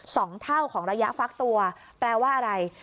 สองเท่าของระยะฟักตัวแปลว่าอะไร